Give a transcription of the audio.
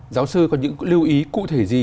giáo sư có những lưu ý cụ thể gì